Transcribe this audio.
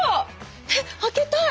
えっ開けたい！